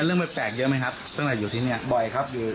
เรื่องแปลกเยอะไหมครับตั้งแต่อยู่ที่นี่บ่อยครับอยู่